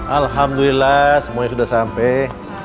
alhamdulillah semuanya sudah sampai